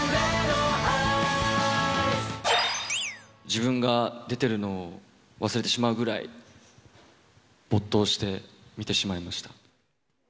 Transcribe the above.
自分が出てるのを忘れてしまうぐらい、没頭して見てしまいました。